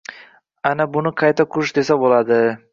Ana buni qayta qurish desa bo‘ladi».